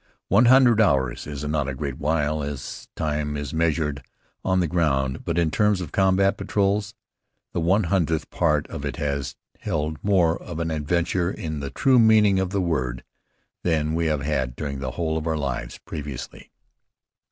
One hundred hours is not a great while as time is measured on the ground, but in terms of combat patrols, the one hundredth part of it has held more of an adventure in the true meaning of the word than we have had during the whole of our lives previously.